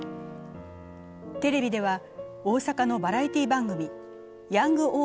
テレビでは大阪のバラエティー番組「ヤングおー！